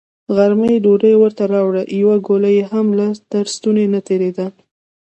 غرمه يې ډوډۍ ورته راوړه، يوه ګوله يې هم تر ستوني نه تېرېده.